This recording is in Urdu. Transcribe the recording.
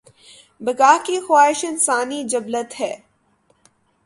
بقا کی خواہش انسانی جبلت ہے۔